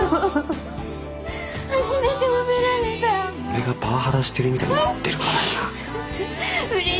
俺がパワハラしてるみたいになってるから今。